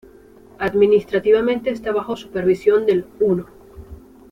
Administrativamente está bajo supervisión del "Uno.